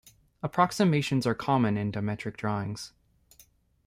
Approximations are common in dimetric drawings.